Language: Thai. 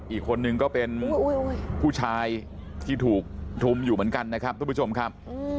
อีกคนนึงก็เป็นผู้ชายที่ถูกคลุมอยู่เหมือนกันนะครับทุกผู้ชมครับ